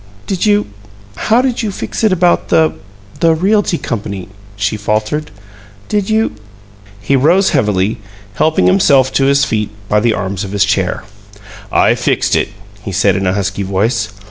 "Did you How did you fix it about the the Realty Company?" she faltered. "Did you " He rose heavily, helping himself to his feet by the arms of his chair. "I fixed it," he said, in a husky voice.